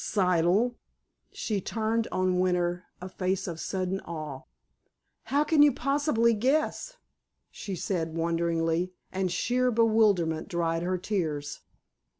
"Siddle?" She turned on Winter a face of sudden awe. "How can you possibly guess?" she said wonderingly, and sheer bewilderment dried her tears.